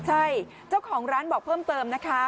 ใช่เจ้าของร้านบอกเพิ่มเติมนะคะ